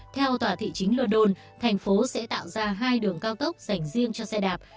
theo tòa thị chính lodon thành phố sẽ tạo ra hai đường cao tốc dành riêng cho xe đạp